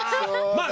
まあ